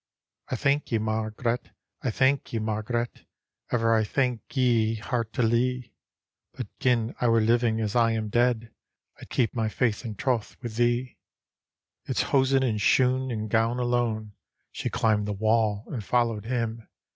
" I thank ye, Mai^'ret; I thank ye, Marg'ret; Ever I thank ye heartUie ; But gin I were living, as I am dead, I'd keep my faith and troth with thee." It's hosen and shoon, and gown alone. She climbed the wall, and followed him.